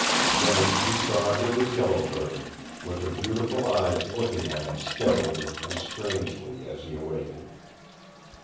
Then he saw it was Yellow Bird, with her beautiful eyes looking at him steadily and strangely as he awakened.